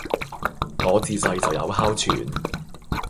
我從細就有哮喘